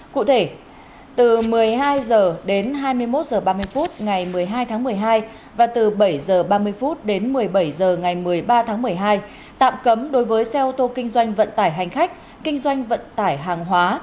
cụ thể từ một mươi hai h đến hai mươi một h ba mươi phút ngày một mươi hai tháng một mươi hai và từ bảy h ba mươi đến một mươi bảy h ngày một mươi ba tháng một mươi hai tạm cấm đối với xe ô tô kinh doanh vận tải hành khách kinh doanh vận tải hàng hóa